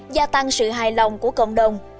gia tăng sự hài lòng của cộng đồng